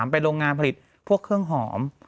โรงงานผลิตพวกเครื่องหอม